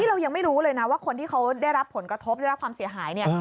เรายังไม่รู้เลยนะว่าคนที่เขาได้รับผลกระทบได้รับความเสียหายเนี่ย